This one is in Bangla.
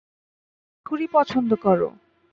তোমরা তো ছুরি পছন্দ করো।